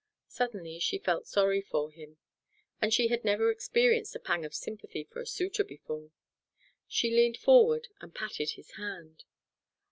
Suddenly she felt sorry for him; and she had never experienced a pang of sympathy for a suitor before. She leaned forward and patted his hand.